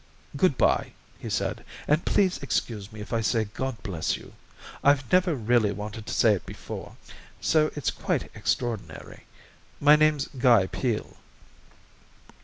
"Good bye," he said, "and please excuse me if I say God bless you. I've never really wanted to say it before, so it's quite extraordinary. My name's Guy Peel."